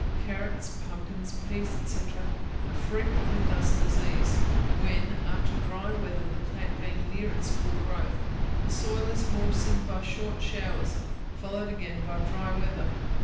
Carrots, pumpkins, peas, &c., are frequently thus diseased, when, after dry weather, the plant being near its full growth, the soil is moistened by short showers, followed again by dry weather.